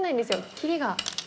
切りが。